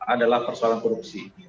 adalah persoalan korupsi